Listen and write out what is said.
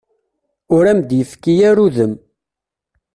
Ur am-d-yefki ara udem.